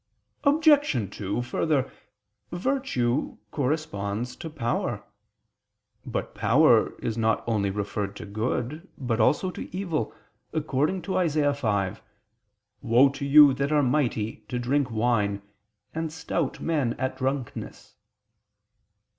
Obj. 2: Further, Virtue corresponds to power. But power is not only referred to good, but also to evil: according to Isa. 5: "Woe to you that are mighty to drink wine, and stout men at drunkenness."